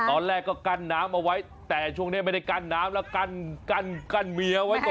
ตอนแรกก็กั้นน้ำเอาไว้แต่ช่วงนี้ไม่ได้กั้นน้ำแล้วกั้นเมียไว้ก่อน